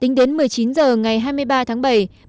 tính đến một mươi chín h ngày hai mươi ba tháng bảy